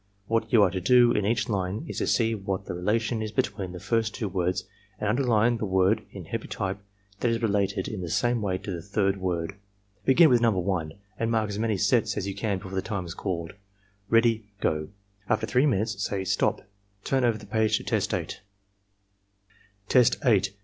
What you are to do in each line is to see what the relation is between the first two words, and imder line the word in heavy type that is related in the same way to the third word. Begin with No. 1 and mark as many sets as you can before time is called. — Ready — Go!" After 3 minutes, say "STOP! Turn over the page to Test 8." 66 ARMY MENTAL TESTS Test 8.